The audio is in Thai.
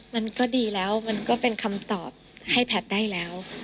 มันก็ดีแล้วมันก็เป็นคำตอบให้แพทย์ได้แล้ว